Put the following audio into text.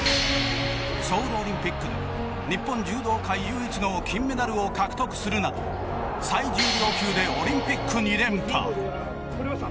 ソウルオリンピックで日本柔道界唯一の金メダルを獲得するなど最重量級でオリンピック２連覇。